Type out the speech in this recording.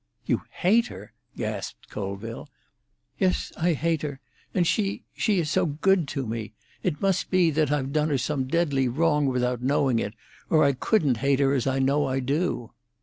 "You hate her?" gasped Colville. "Yes, I hate her. And she—she is so good to me! It must be that I've done her some deadly wrong, without knowing it, or I couldn't hate her as I know I do."